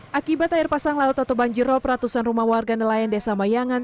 hai akibat air pasang laut atau banjirrop ratusan rumah warga nelayan desa mayangan